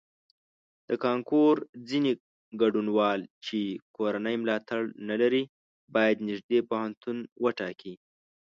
د کانکور ځینې ګډونوال چې کورنی ملاتړ نه لري باید نږدې پوهنتون وټاکي.